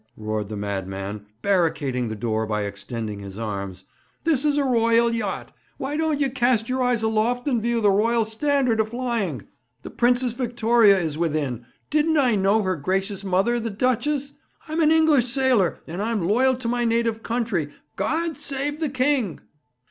roared the madman, barricading the door by extending his arms. 'This is a royal yacht. Why don't you cast your eyes aloft and view the Royal Standard a flying? The Princess Victoria is within. Didn't I know her gracious mother, the Duchess? I'm an English sailor, and I'm loyal to my native country. God save the King!'